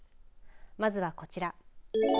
まずはこちら。